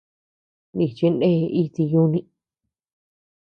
Nichi ndee iti yuni.